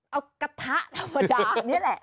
เอากระทะธรรมดานี่แหละ